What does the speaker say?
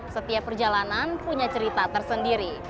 setiap perjalanan punya cerita tersendiri